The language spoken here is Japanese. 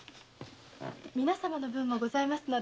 皆様の分もございます。